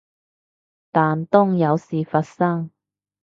但當有事發生